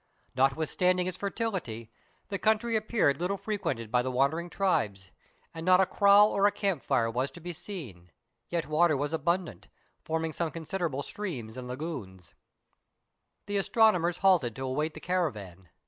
Notwithstanding its fertility, the country appeared little frequented by the wandering tribes, and not a kraal or a camp fire was to be seen ; yet water was abundant, forming some considerable streams and lagoons. The astronomers halted to await the caravan.